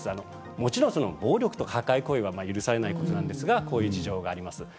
もちろん暴力とか反対行為は許されないことですがそういう事情があります。